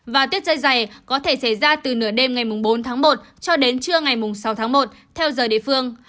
và tiết trời dày có thể xảy ra từ nửa đêm ngày bốn tháng một cho đến trưa ngày sáu tháng một theo giờ địa phương